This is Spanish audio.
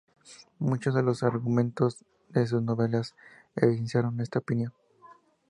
Muchos de los argumentos de sus novelas evidenciaron esta opinión.